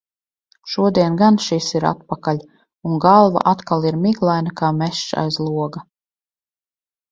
Šodien gan šis ir atpakaļ, un galva atkal ir miglaina kā mežs aiz loga.